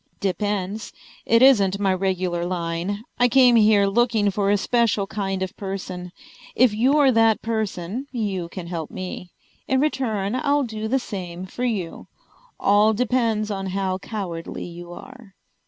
"Depends. It isn't my regular line. I came here looking for a special kind of person. If you're that person you can help me. In return I'll do the same for you. All depends on how cowardly you are."